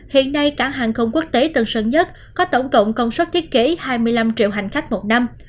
hiện nay cảng hàng không quốc tế tân sơn nhất có tổng cộng công suất thiết kế hai mươi năm triệu hành khách một năm